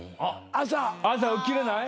朝起きれない？